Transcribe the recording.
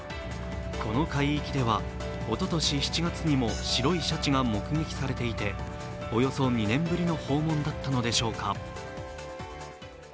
この海域ではおととし７月にも白いシャチが目撃されていておよそ２年ぶりの訪問だったのでしょうか。